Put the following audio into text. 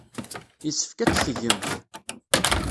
Yessefk ad t-tgemt.